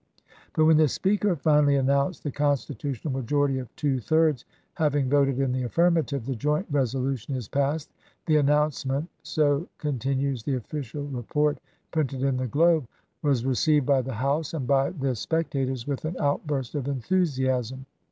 But when the Speaker finally announced, " The constitutional majority of two thirds having voted in the affirmative, the Joint Eesolution is passed," " the announcement "— so continues the official report printed in the " Globe "—" was received by the House and by the spec tators with an outburst of enthusiasm.